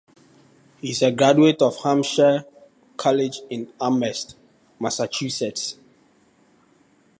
He is a graduate of Hampshire College in Amherst, Massachusetts.